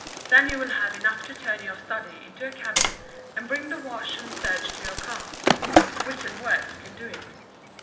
Then you will have enough to turn your study into a cabin and bring the wash and surge to your ears, if written words can do it.